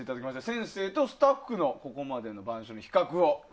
先生とスタッフのここまでの板書の比較を。